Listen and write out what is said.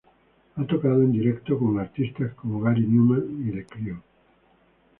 Ha tocado en directo con artistas como Gary Numan y The Cure.